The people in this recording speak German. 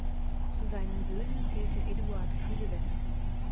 Zu seinen Söhnen zählte Eduard Kühlwetter.